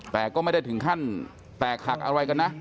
แต่ก็ไม่ได้ถึงขั้นแตกหักอะไรกันนะ